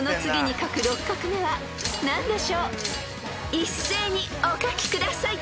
［一斉にお書きください］